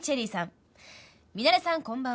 ミナレさんこんばんは。